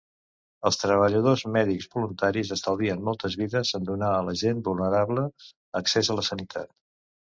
Els treballadors mèdics voluntaris estalvien moltes vides en donar a la gent vulnerable accés a la sanitat